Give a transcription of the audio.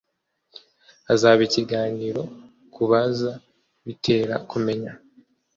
hazaba ikiganiro Kubaza bitera kumenya